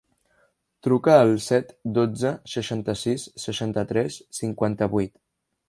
Truca al set, dotze, seixanta-sis, seixanta-tres, cinquanta-vuit.